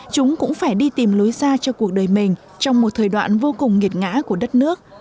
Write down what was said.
chúng cũng phải đi tìm lối ra cho cuộc đời mình trong một thời đoạn vô cùng nghiệt ngã của đất nước